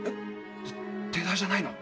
手代じゃないの？